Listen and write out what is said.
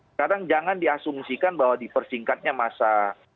sekarang jangan diasumsikan bahwa dipersingkatnya masa